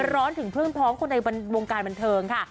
ร้อนถึงเพื่อนพ้องคนในวงการบันเทิงค่ะ